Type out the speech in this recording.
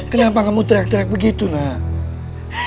kenapa kamu terak terak begitu nak